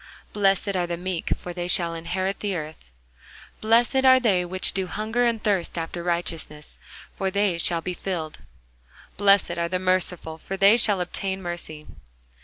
Blessed are the meek: for they shall inherit the earth. Blessed are they which do hunger and thirst after righteousness: for they shall be filled. Blessed are the merciful: for they shall obtain mercy.